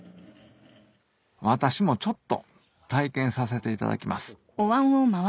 私もちょっと体験させていただきます